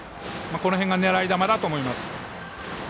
この辺が狙い球だと思います。